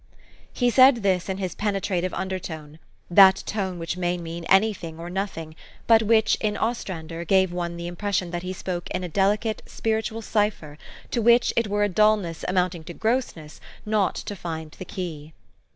He said this in his penetrative undertone, that tone which may mean any thing or nothing, but which, in Ostrander, gave one the impression that he spoke in a delicate, spiritual cipher, to which it were a dulness amounting to grossness not to find the key.